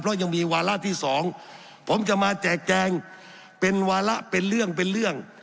เพราะยังมีวาระที่สองผมจะมาแจกแจงเป็นวาระเป็นเรื่องเป็นเรื่อง